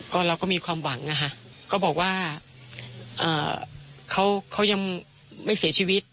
ก็เราก็มีความหวังนะคะก็บอกว่าเขายังไม่เสียชีวิต